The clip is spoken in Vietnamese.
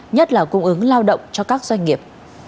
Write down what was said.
nhất là cung ứng lao động cho các doanh nghiệp